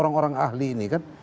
orang orang ahli ini kan